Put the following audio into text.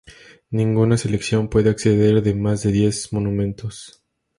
Ninguna sección puede exceder de más de diez monumentos.